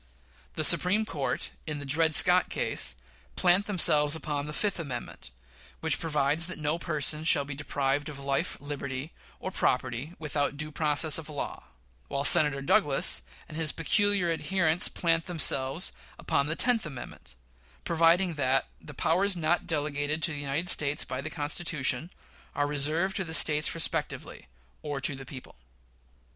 The Supreme Court, in the Dred Scott case, plant themselves upon the fifth amendment, which provides that no person shall be deprived of "life, liberty, or property without due process of law"; while Senator Douglas and his peculiar adherents plant themselves upon the tenth amendment, providing that "the powers not delegated to the United States by the Constitution" "are reserved to the States respectively, or to the people."